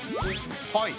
はい。